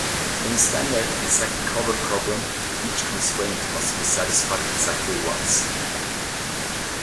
In a standard exact cover problem, each constraint must be satisfied exactly once.